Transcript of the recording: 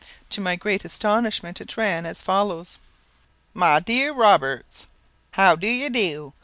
To my great astonishment it ran as follows: "My Dear Roberts, "How do you do?